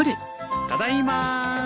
ただいま。